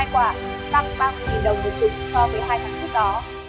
một mươi hai quả tăng ba mươi đồng một chục so với hai tháng trước đó